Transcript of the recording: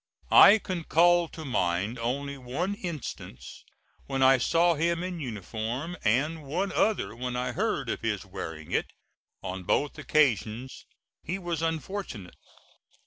I can call to mind only one instance when I saw him in uniform, and one other when I heard of his wearing it, On both occasions he was unfortunate.